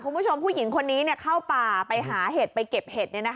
คุณผู้ชมผู้หญิงคนนี้เข้าป่าไปหาเห็ดไปเก็บเห็ด